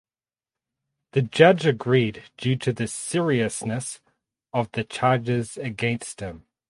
The judge agreed due to the seriousness of the charges against him.